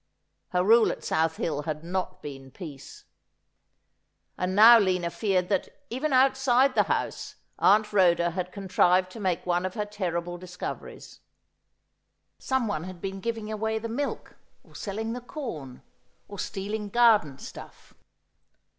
Her rule at South Hill had not been peace. And now Lina feared that, even outside the house. Aunt Rhoda had contrived to make one of her ter rible discoveries. Someone had been giving away the milk or selling the corn, or stealing garden stuff.